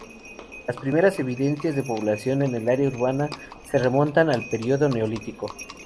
Las primeras evidencias de población en el área urbana se remontan al período neolítico.